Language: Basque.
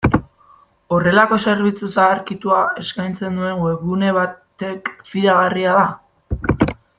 Horrelako zerbitzu zaharkitua eskaintzen duen webgune batek fidagarria da?